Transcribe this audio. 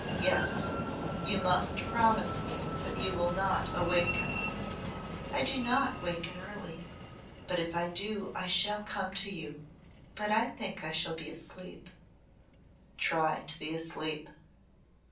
"Yes. You must promise me that you will not awaken." "I do not waken early. If I do I shall come to you, but I think I shall be asleep." "Try to be asleep."